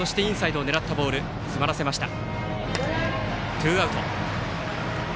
ツーアウト。